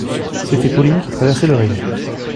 C'était Pauline qui traversait le rayon.